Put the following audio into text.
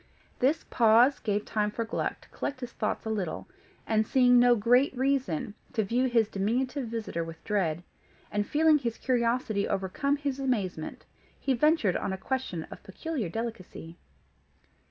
This pause gave time for Gluck to collect his thoughts a little, and, seeing no great reason to view his diminutive visitor with dread, and feeling his curiosity overcome his amazement, he ventured on a question of peculiar delicacy.